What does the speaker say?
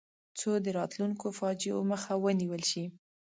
څو د راتلونکو فاجعو مخه ونیول شي.